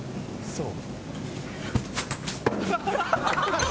そう。